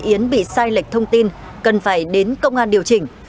yến bị sai lệch thông tin cần phải đến công an điều chỉnh